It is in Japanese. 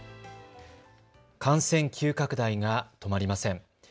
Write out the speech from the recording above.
感染急拡大が止まりません。